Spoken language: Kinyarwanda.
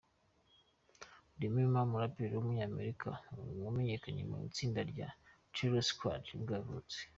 Remy Ma, umuraperikazi w’umunyamerika wamenyekanye mu itsinda rya Terror Squad ni bwo yavutse.